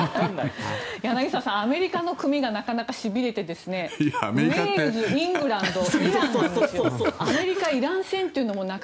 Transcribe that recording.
柳澤さん、アメリカの組がなかなかしびれてウェールズ、イングランドイランなんですよ。アメリカ対イラン戦も。